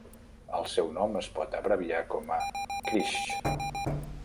El seu nom es pot abreviar com a Krysht.